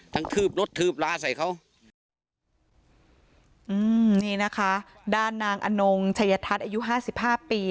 คืบรถคืบล้าใส่เขาอืมนี่นะคะด้านนางอนงชัยทัศน์อายุห้าสิบห้าปี